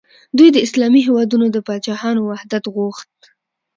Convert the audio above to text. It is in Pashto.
دوی د اسلامي هیوادونو د پاچاهانو وحدت غوښت.